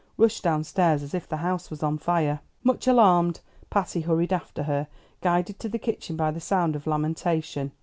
rushed down stairs as if the house was on fire. Much alarmed, Patty hurried after her, guided to the kitchen by the sound of lamentation.